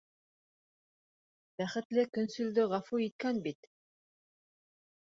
Бәхетле көнсөлдө ғәфү иткән бит.